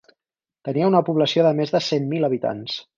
Tenia una població de més de cent mil habitants.